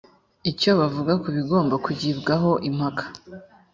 icyo bavuga ku bigomba kugibwaho impaka